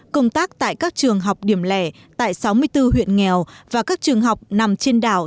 công tác tại các trường học điểm lẻ tại sáu mươi bốn huyện nghèo và các trường học nằm trên đảo